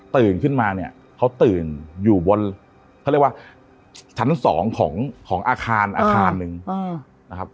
ขึ้นมาเนี่ยเขาตื่นอยู่บนเขาเรียกว่าชั้นสองของอาคารอาคารหนึ่งนะครับ